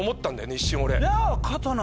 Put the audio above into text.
一瞬俺。